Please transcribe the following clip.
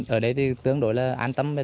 ở đây thì tương đối là an tâm